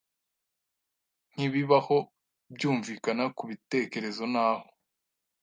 nkibibaho byumvikana kubitekerezo naho